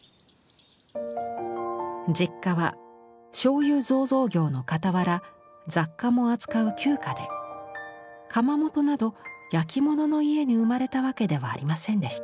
実家はしょうゆ醸造業のかたわら雑貨も扱う旧家で窯元などやきものの家に生まれたわけではありませんでした。